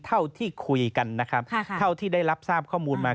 เท่าที่คุยกันนะครับเท่าที่ได้รับทราบข้อมูลมา